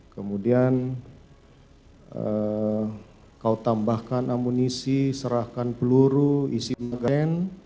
kemudian kau tambahkan amunisi serahkan peluru isi mungkin